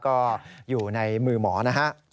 ก็อยู่ในมือหมอนะฮะ